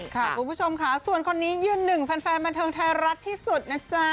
คุณผู้ชมค่ะส่วนคนนี้ยืนหนึ่งแฟนบันเทิงไทยรัฐที่สุดนะจ๊ะ